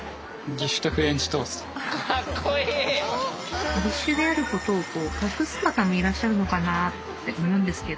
義手であることを隠す方もいらっしゃるのかなと思うんですけど。